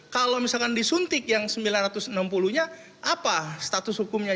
kalau misalkan disuntik yang sembilan ratus enam puluh nya apa status hukumnya